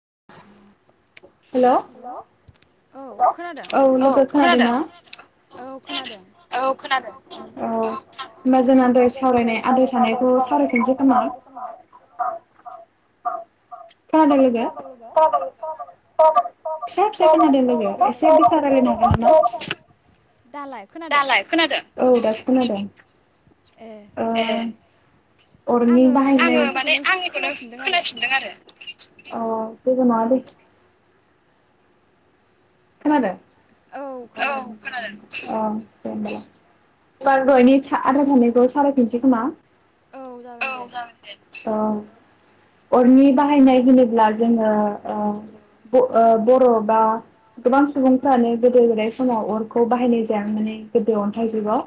[inaudible] हेल' खोनादों औ लोगो खोनादों औ खोनादों औ होमबा जोंहा सावरायनाय आद्रा थानायखौ सावरायफिनसै खोमा खोनादों लोगो खोनादों। फिसा फिसा खोनादों लोगो एसे गोसा राय्लायनांगोन नामा दालाय खोनादों दालाय खोनादों औ दासो खोनादों ए अ अरनि आङो बाहाय माने आंङो माने आंनिखौनो आंनिखौनो खोनाफिनदों आरो खोनाफिनदों आरो अ जेबो नंङा दे खोनादों औ खोनादों अ दे होनबालाय ओं दहायनि आद्रा थानायखौ सावराय फिननोसै खोमा औ जागोन औ दे अ अरनि बाहायनाय होनोब्ला जोङो आ ब' ओ बर'बा गोबां सुबुंफ्रानो गोदो गोदाय समाव अरखौ बाहायनाय जायामोननो गोदो अन्थाइ जुगाव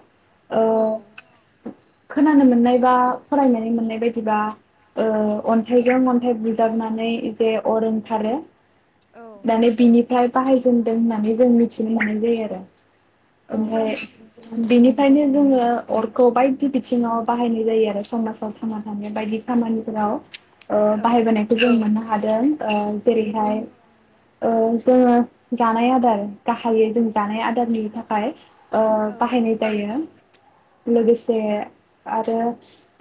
औ ओ खोनानो मोननाय बा फरायनानै मोननाय बायदिबा औ ओ अन्थाइजों अन्थाइ बुजाबनानै जे अर ओंखारो औ माने बिनिफ्राय बाहायजेनदों होननानै जों मिथिनो मोननाय जायो आरो औ ओमफाय बेनि ओंखायनो जोङो अरखौ बायदि बिथिङाव बाहायनाय जायो आरो समाजाव थांना थानाय बायदि खामानिफोराव औ बाहायबोनायखौ जों मोननो हादों। आ जेरैहाय जोङो जानाय आदार गाहायै जों जानाय आदारनि थाखाय ओ बाहायनाय जायो लोगोसे आरो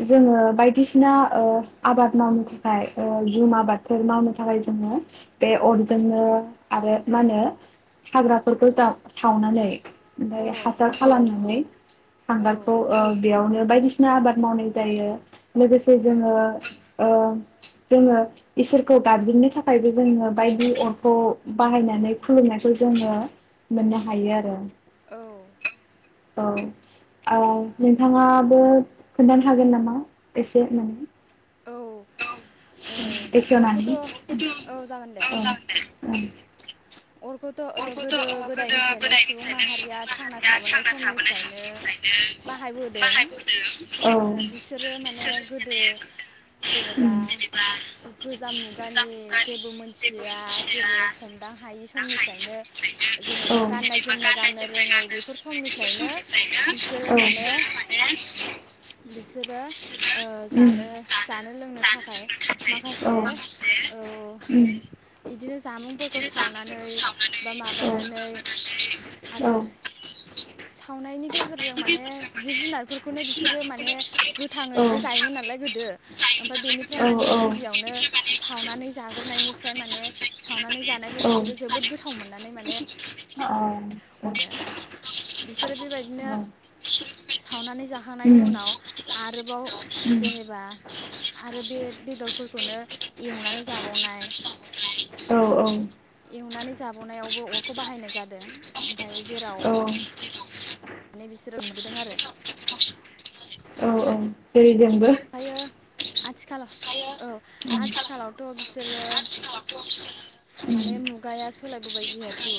जोङो बायदिसिना ओ आबाद मावनो थाखाय जुम आबादफोर मावनो थाखाय जोङो बे अरजोंनो आरो मा होनो हाग्राफोरखौ जा सावनानै ओमफ्राय औ हासार खालामनानै हांगारखौ बेयावनो बायदिसिना आबाद मावनाय जायो लोगोसे औ जोङो ओ जोङो इसोरखौ गाबज्रिननो थाखायबो जोङो बायदि अरखौ बाहायनो नानै खुलुमनायखौ जोङो मोननो हायो आरो औ औ - औ नोंथाङाबो खोन्थानो हागोन नामा एसे माने औ ओ एख मानि उ अरखौथ औ जागोन दे उम अरखौथ गोदो गोदायनिफ्रायनो सुबुं माहारिया थांना थाबोनाय समनिफ्रायनो बाहायबोदों औ उम औ उम औ बिसोरो माने गोदो जेनेबा गोजाम मुगानि जेबो मोनथिया जेबो हमदां हायि स निफ्रायनो जेनेबा गाननाय जोमनाय गाननो रोङै बेफोर समनिफ्रायनो बिसोरो माने बिसोरो ओ जानो जानो लोंनो थाखाय माखासे ओ यिदिनो जामुंफोरखौ साव नै बा उम माबानानै औ आरो ओमफ्राय लोगोफोरजों माने जुनारफोरखौनो सावनायनि गेजेरजों माने जिब जुनारफोरखौनो बिसोरो माने गोथाङैबो जायोमोन नालाय गोदो ओमफाय बेनिफ्राय माने गिबियावनो सावनानै जाग्रोनायनिफ्राय माने सावनानै जानायखौ बिसोर सावनानै जोबोद गोथाव गोथाव मोननानै माने अ औ आतसा बिसोरो बेबायदिनो सावनानै जाखांनायनि उनाव आरोबाव जेनेबा आरो बे बेदरफोरखौनो एवनानै जाबावनाय उम एवनानै जाबावनायावबो अरखौ बाहायनाय जादों ओमफ्राय जेराव औ माने बिसोरो मोनबोदों आरो औ - औ जेरै जोंबो ओमफ्रायो आथिलाव औ आथिखालावथ बिसोरो माने उम मुगाया सो सोलायबोबाय जिहेतु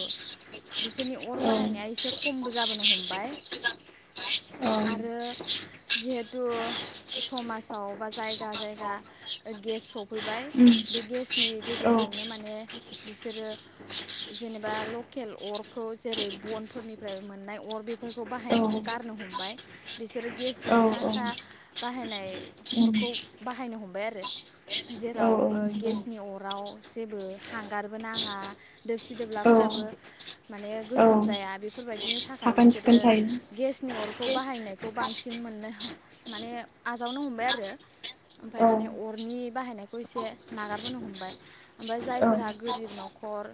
बिसोरनि औ उम औ अर बाहायनाया एसे खमबो जाबोनो हमबाय आरो जिहेतु समाजाव बा जायगा जायगा गेस सफैबाय बे गेसनि गेजेरजोंनो माने बिसोरो जेनेबा लकेल अर खौ जेरै बनफोरनिफ्राय मोननाय अर बेफोरखौ बाहायनायखौ गारनो हमबाय बिसोरो औ उम गेसजों सा सा बाहायनाय अरखौ औ बाहायनो हमबाय आरो औ जेराव ओ नंगौ गेसनि अराव जेबो हांगारबो नाङा दोबसि औ दोबलाफोराबो औ गोसोम जाया बेफोरबायदिनि थाखाय साखोन बिसोरो सिखोन थायो गेसनि अरखौ बाहायनायखौ बांसिन मोननो माने आजावनो हमबाय आरो औ ओमफ्राय माने अरनि बाहायनायखौ एसे नागारबोनो हमबाय ओमफाय औ जायफोरा गोरिब न'खर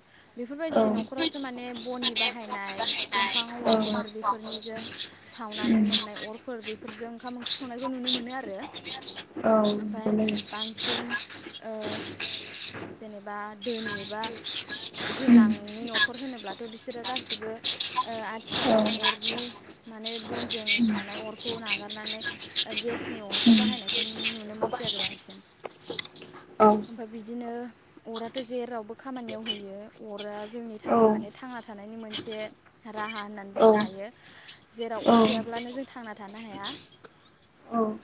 औ बेफोरबायदि माने न'खरावसो माने बननि बाहायनाय दंफां औवाफोर बेफोरनिजों औ उम सावनानै मोननाय अरफोर बेफोरजों ओंखाम ओंख्रि संनाय नुनो मोनो आरो ओमफ्राय बांसिन ओ जेनेबा धोनि एबा गोनांनि न'खर होनोब्लाथ' बिसोरो गासिबो ओ आथिखालाव अरनि माने बनजों सावनाय अरखौ नागारनानै गेसनि अरखौ बाहायनायखौ नुनो मोनसै आरो बांसिन आमफाय बिदिनो अराथ' जेरावबो खामानियाव होयो अरा जोंनि औ थाखाय माने थांना थानायनि मोनसे राहा होननानै औ बुंनो औ हायो जेराव अर गैयाब्लानो लेपटप जों थांना थानो हाया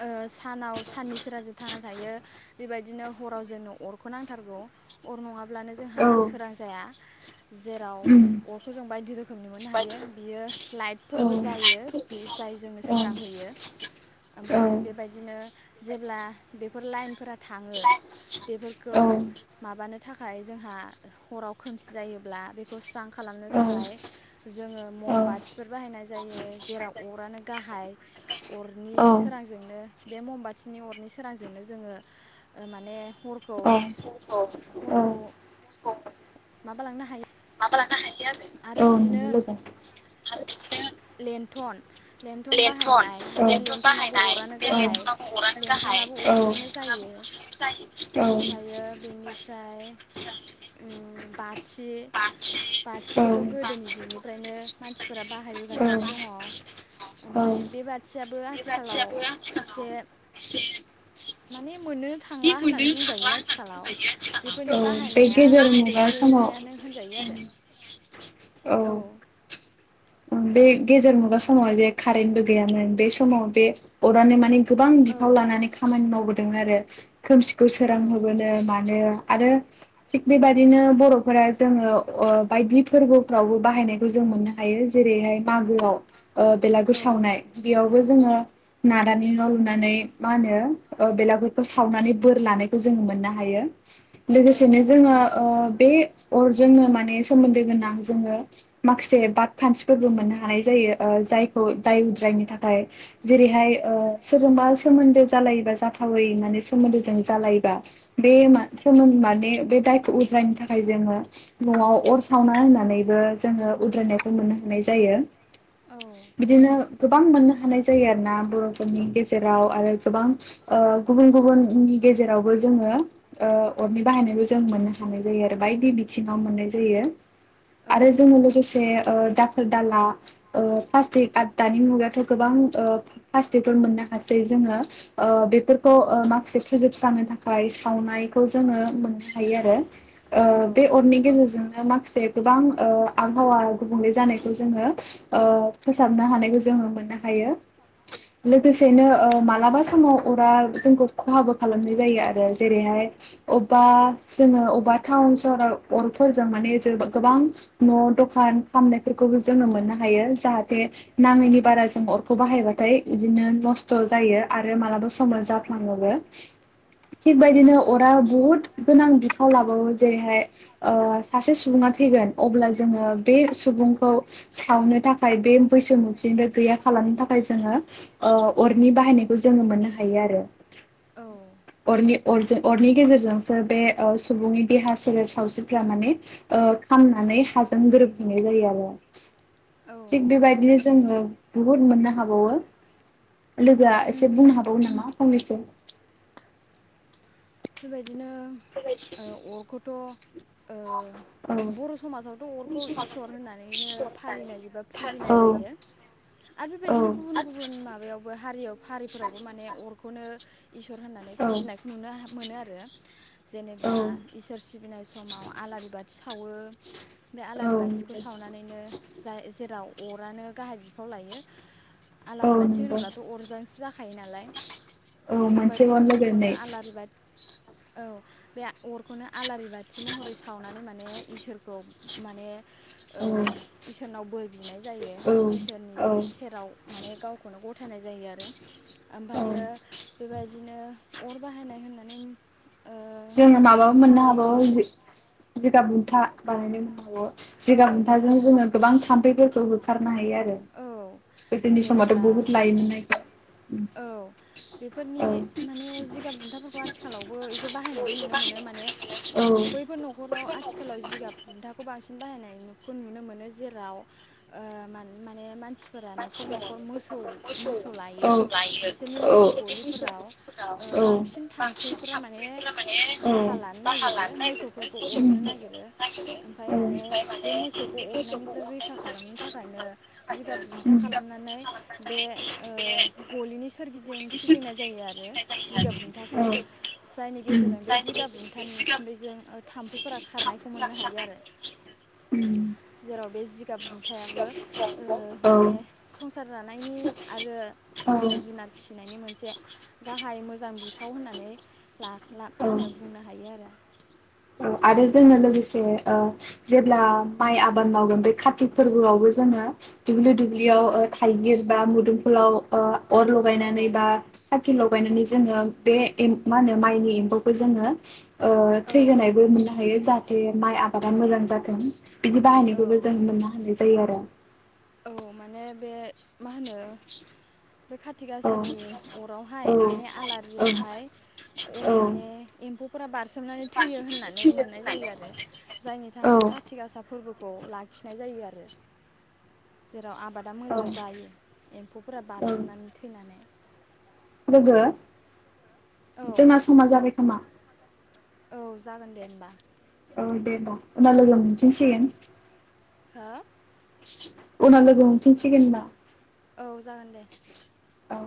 ओ सानाव साननि सोरांजों थांना थायो बेबायदिनो हराव जोंनो अरखौ नांथारगौ अर नङाब्ला ब्लानो जोंहा सोरां जाया जेराव अरखौ जों बायदि रोखोमनि मोननो हायो बियो लाइटफोरबो जायो बे जाय जोंनो सोरां होयो ओमफायो बेबायदिनो जेब्ला फोर लाइनफोरा थाङो बेफोरखौ माबानो थाखाय जोंहा हराव खोमसि जायोब्ला बेखौ स्रां खालामनो थाखाय जोङो मम बाथिफोर बाहायनाय जायो जेराव अरानो गाहाय अरनि जोंनो बे ममबाथिनि अरनि सोरांजों जोनो जोङो माने हरखौ औ औ माबा लांनो हायो [unintelligible] [unintelligible] आरो बिदिनो औ नंगौ लोगो [unintelligible] लेन्थन लन्थन बाहायनाय बे लन्थनावबो अरानो गाहाय लेनथनाबो अरजोंनो जायो ओमफायो बेनिफ्राय ओम बाथि बाथिखौथ' गोदोनि जुगनिफ्रायनो मानसिफोरा बाहायबोगासिनो सिनो दङ बाहायगासिनो दङ औ ओमफाय बे बाथिया बो आथिखालाव एसे माने मोननो थांला होननानै बुंजायो आथिखालाव बेफोरनि औ बे बाहायनाया गेजेर जोबबोनायानो होनजायो आरो औ। ओम बे गेजेर मुगा समाव जे कारेन्टबो गैयामोन बे समाव बे अरानो मानि गोबां औ बिफाव लानानै खामानि मावबोदों। दों आरो खोमसिखौ सोरां होबोनो मानो आरो थिग बेबायदिनो बर'फोरा जोङो ओ बायदि फोरबोफ्रावबो बाहायनायखौ जों मोनो। हायो जेरैहाय मागोआव ओ बेलागुर औ सावनाय बेयावबो जोङो नारानि न' लुनानै मा होनो बेलागुरफोरखौ सावनानै बोर लानायखौ जोङो मोननो हायो। औ लोगोसेनो जोङो ओ बे अर जोंनो माने सोमोन्दो गोनां जोङो माखासे बाथ खान्थिफोरबो मोननो हानाय जायो जायखौ दाय उद्रायनो थाखाय जेरैहाय ओ सोरजोंबा सोमोन्दो जालायोबा जाथावै माने सोमोन्दोजों जालायोबा बे मा सोमो माने बे दायखौ उद्रायनो थाखाय जोङो न'आव अर सावना होनानैबो जोङो उद्रायनाय खौ मोननो हानाय जायो। बिदिनो गोबां मोननो हानाय जायो आरोना बर'फोरनि गेजेराव आरो गोबां गुबुन गुबुननि गेजेरावबो जोङो ओअरनि बाहायनायबो जों मोननो हानाय जायो आरो बायदि बिथिङाव मोननाय जायो। आरो जोङो लोगोसे ओ दाखोर दाला ओ प्लास्टिक आरो दानि मुगायावथ' गोबां ओ प्लास्टिकफोर मोननो हासै जोङो ओ बेफोरखौ ओ माखासे फोजोबस्रांनो थाखाय सावनायखौ जोङो मोननो हायो आरो। ओ औ बे अरनि गेजेरजों ओ माखासे गोबां ओ आबहावा गुबुंले जानायखौ जोङो ओ फोसाबनो हानायखौ जोङो मोननो हायो लोगोसे सेनो ओ मालाबा समाव उराल जोंखौ खहाबो खालामनाय जायो आरो जेरैहाय अबेबा जोङो अबेबा टाउन सहराव अरफोरजों माने जों गोबां न' दखान खामनायफोरखौबो जों मोननो हायो जाहाथे नाङैनि बारा जों अरखौ बाहायबाथाय बिदिनो नस्थ' जायो आरो मालाबा समाव जाफ्लाङोबो। थिग औ बेबायदिनो अरा बुहुत गोनां बिफाव लाबावो जेरैहाय ओ सासे सुबुङा थैगोन अब्ला जोङो बे सु सुबुंखौ सावनो थाखाय बे बैसोमुथिनिफ्राय गैया खालामनो थाखाय जोङो अरनि बाहायनायखौ जोङो मोननो हायो आरो। औ। अरनि अरजों अरनि गेजेरजोंसो बे सुबुंनि देहा सोलेर सावस्रिफोरा माने ओ खामनानै हाजों गोरोब नाय जायो आरो। औ थिग बेबायदिनो जोङो बुहुत मोननो हाबावो। लोगोआ एसे उम बुंनो हाबावो नामा फंनैसो? बेबायदि दिनो अरखौथ' ओ औ बर' समाजावथ' अरखौ इसोर होननानैनो फालिनाय बा फुजिनाय औ जायो आरो औ बेबायदिनो गुबुन गुबुन माबायावबो हारियाव हारिफोरावबो माने अरखौनो इसोर होननानै औ फुजिनायखौ नुनो हा मोनो आरो जेनेबा औ इसोर सिबिनाय समाव आलारि बाथि सावो बे आलारि औ बाथिखौ सावनानैनो जाय जेराव अरानो गाहाय बिफाव लायो। आलारि औ बाथि नंगौ होनोब्लाथ' अरजोंसो जाखा थायो नालाय औ ओमफ्राय मोनसे बे बानो अरखौनो लोगोनै आलारि बाथि औ बे अरखौनो आलारि बाथि महरै सावनानै माने इसोर खौ माने ओ औ इसोरनाव बोर बिनाय जायो औ इसोरनि औ सेराव माने गावखौनो गथ' फोथायनाय जायो आरो औ ओमफायो बेबायदि बिदिनो अर बाहायनाय होननाय जोङो माबाबो मोननो हागौ सावरायोब्ला जे जिगाब बुन्था बानायनो [unintelligible] औ जिगाब बुनथाजों जोङो गोबां थाम्फैफोर थ होखारनो हायो आरो औ गोदोनि समावथ' जेनेबा बुहुत लायो मोनना इखो। औ बेफोरनि माने जिगाब बुन्थाफोरखौ आथिखालावबो एसे बाहायनाय नुनो मोनो माने मोनो औ बैफोर न'खराव आथिखालाव जिगाब बुनथाखौ बांसिन बा नायनायनिखौ नुनो मोनो जेराव ओ मान माने मानसि फोरा न'खर न'खर मोसौ मोसौ लायो। बिसोरनि मोसौ गलिफोराव ओ बांसिन थाम्फैफोरा माने बाहा लानो नागिरो मोसौफोरखौ अरनो नागिरो ओमफाय माने ओमफ्राय बे मोसौखौ अरनायनिफ्राय रैखा खालामनो थाखायनो जिगाब बुन ओं जिगाब बुनथा खालामनानै बे गलिनि सोरगिदिं फिदिंनाय जायो आरो जिगाब बुन्थाखौ जायनि गेजेरजों बे जिगाब बुन्थानि उखुन्दैजों ओ थाम्फैफोरा खारनायखौ मोननो हायो आरो उम जेराव बे जिगाब बुन्थायाबो ओ माने संसार जानायनि आरो मा होनो औ जुनार फिसिनायनि मोनसे गाहाय मोजां बिफाव होननानै ला लाब मा औ होनो बुंनो हायो आरो। औ आरो जोङो लोगोसे ओ जेब्ला माइ आबाद मावगोन बे कार्तिक फोरबोआवबो जोङो दुब्लि औ दुब्लियाव ओ थाइगिर बा मुदुम लाव ओ अर लगायनानै बा औ सब लगायनानै जोङो बे मा होनो माइनि एम्फौखो जोङो ओ थै होनायबो नुनो हायो। जाथे माइ आबादा औ मोजां जाथों बिनि औ बाहायनिखौबो जों मोननो हानायसै जायो आरो‌। औ माने बे मा होनो बे खाथि औ औ गाासानि अरावहाय माने आलारियावहाय माने एम्फौ फोरा बार सोमनानै थैयो होननानै मोननाय जायो आरो जायनि औ थाखाय कार्तिक आसा फोरबोखौ लाखिनाय जायो आरो। जेराव आबादा औ मोजां जायो एम्फौफोरा औ बारसोमनानै थैनानै। औ [unintelligible] जोंना समा जाबाय खोमा औ जागोन दे होमबा। औ दे द' उना लोगो मोनफिनसिगोन। हो? उनाव लोगो हमफिनसिगोन ना? औ जागोन दे। औ।